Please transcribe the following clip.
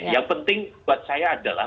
yang penting buat saya adalah